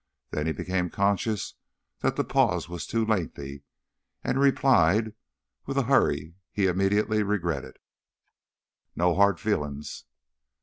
Then he became conscious that the pause was too lengthy, and he replied with a hurry he immediately regretted: "No hard feelin's."